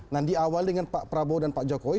nah di awal dengan pak prabowo dan pak jokowi